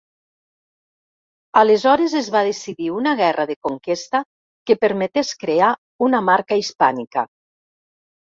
Aleshores es va decidir una guerra de conquesta que permetés crear una Marca hispànica.